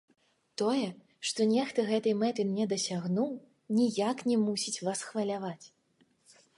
Тое, што нехта гэтай мэты не дасягнуў, ніяк не мусіць вас хваляваць.